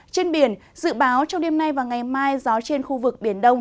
trên biển dự báo trong đêm nay và ngày mai gió trên khu vực biển đông